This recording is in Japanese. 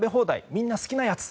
みんな好きなやつ。